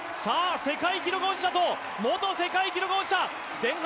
世界記録保持者と、元世界記録保持者。